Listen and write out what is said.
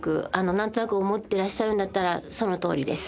何となく思ってらっしゃるんだったらそのとおりです。